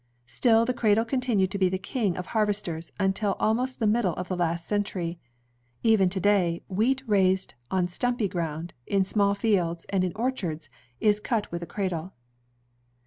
Still, the cradle continued to be the king of harvesters untU almost the middle of the last century. Even to day, wheat raised in stumpy ground, in small fields, and in orchards, is cut with a cradle.